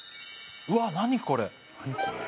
うわ何これ？